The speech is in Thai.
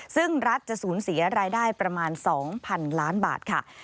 ซึ่งรัฐจะสูญเสียรายได้ประมาณ๒๐๐๐ล้านบาทค่ะ